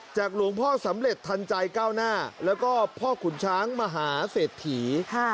หลวงพ่อสำเร็จทันใจก้าวหน้าแล้วก็พ่อขุนช้างมหาเศรษฐี